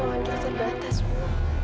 awan awan kita terbatas bu